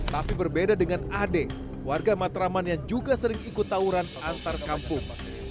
tapi berbeda dengan ade warga matraman yang juga sering ikut tawuran antar kampung